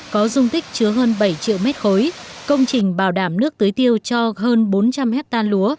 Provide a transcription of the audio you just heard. có dung tích chứa hơn bảy triệu m ba công trình bảo đảm nước tới tiêu cho hơn bốn trăm linh hectare lúa